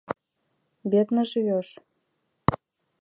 Бедно живешь?